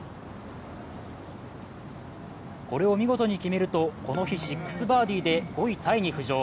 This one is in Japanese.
これを見事に決めると、この日、６バーディーで５位タイに浮上。